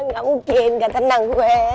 nggak mungkin gak tenang gue